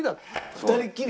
２人きり？